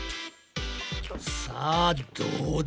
さあどうだ？